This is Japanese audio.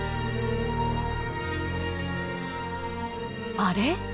あれ？